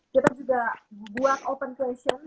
kita juga buat open clation